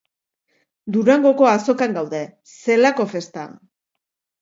Durangoko azokan gaude, zelako festa.